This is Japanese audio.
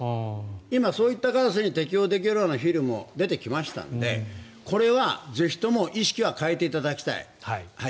今、そういったガラスに適用できるようなフィルムも出てきましたのでこれはぜひとも意識は変えていただきたい。